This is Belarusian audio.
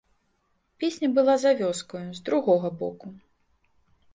Песня была за вёскаю, з другога боку.